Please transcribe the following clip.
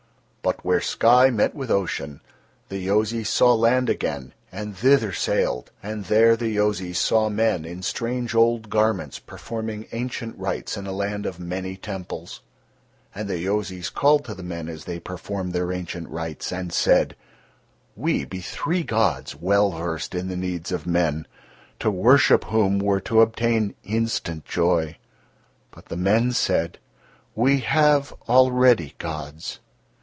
But where sky met with ocean, the Yozis saw land again, and thither sailed; and there the Yozis saw men in strange old garments performing ancient rites in a land of many temples. And the Yozis called to the men as they performed their ancient rites and said: "We be three gods well versed in the needs of men, to worship whom were to obtain instant joy." But the men said: "We have already gods."